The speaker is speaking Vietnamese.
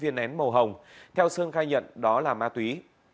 bốn viên nén màu hồng theo sơn khai nhận đó là ma túy